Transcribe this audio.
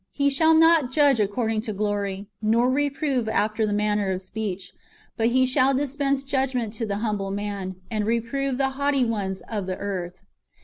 He shall not judge according to glory,^ nor reprove after the manner of speech ; but He shall dispense judgment to the humble man, and reprove the haughty ones of the earth."